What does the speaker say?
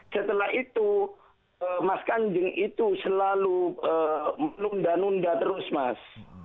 setelah itu mas kanjeng itu selalu menunda nunda terus mas